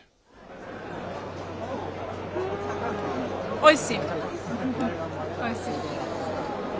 おいしい。